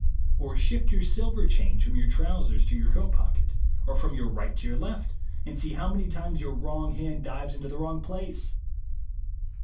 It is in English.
Or shift your silver change from your trousers to your coat pocket, or from your right to your left, and see how many times the wrong hand dives into the wrong place